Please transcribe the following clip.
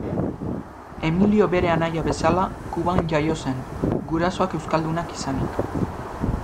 Emilio bere anaia bezala, Kuban jaio zen, gurasoak euskaldunak izanik.